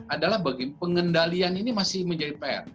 adalah bagi pengendalian ini masih menjadi pr